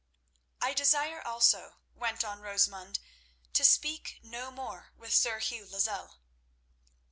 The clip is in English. "I desire also," went on Rosamund, "to speak no more with Sir Hugh Lozelle."